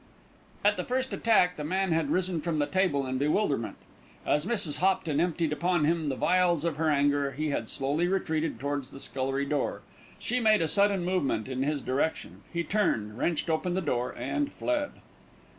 At the first attack, the man had risen from the table in bewilderment. As Mrs. Hopton emptied upon him the vials of her anger, he had slowly retreated towards the scullery door. She made a sudden movement in his direction; he turned wrenched open the door, and fled.